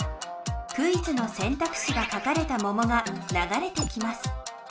クイズのせんたくしが書かれたももがながれてきます。